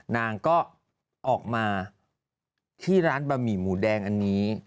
นางก็ออกมาที่ร้านบะหมี่หมูแดงอันนี้